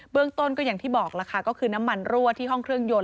เบื้องต้นก็อย่างที่บอกน้ำมันรั่วที่ห้องเครื่องยนต์